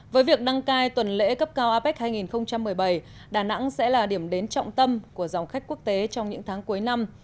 với việc đăng cai tuần lễ cấp cao apec hai nghìn một mươi bảy đà nẵng sẽ là điểm đến trọng tâm của dòng khách quốc tế trong những tháng cuối năm